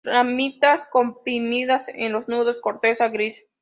Ramitas comprimidas en los nudos; corteza gris.